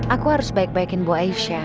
aku harus baik baikin bu aisyah